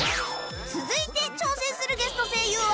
続いて挑戦するゲスト声優は！？